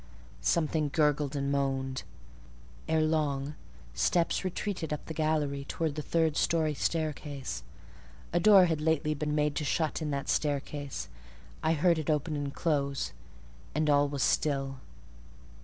Something gurgled and moaned. Ere long, steps retreated up the gallery towards the third storey staircase: a door had lately been made to shut in that staircase; I heard it open and close, and all was still.